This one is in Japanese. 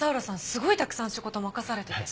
すごいたくさん仕事を任されてて。